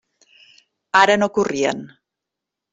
Ara no corrien.